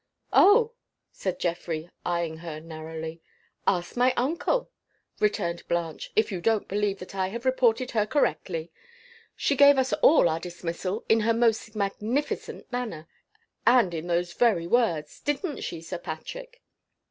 "Oh!" said Geoffrey, eying her narrowly. "Ask my uncle," returned Blanche, "if you don't believe that I have reported her correctly. She gave us all our dismissal, in her most magnificent manner, and in those very words. Didn't she, Sir Patrick?"